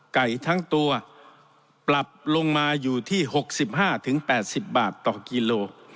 ไก่ทั้งตัวปรับลงมาอยู่ที่หกสิบห้าถึงแปดสิบบาทต่อกิโล